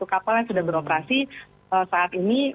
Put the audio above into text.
sepuluh kapal yang sudah beroperasi saat ini